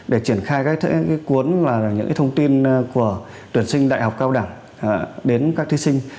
để triển khai các cuốn và những thông tin của tuyển sinh đại học cao đẳng đến các thí sinh